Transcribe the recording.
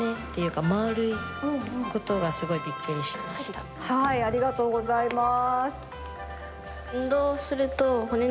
カラダのはいありがとうございます。